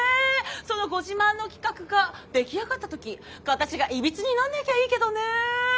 そのご自慢の企画が出来上がった時形がいびつになんなきゃいいけどね。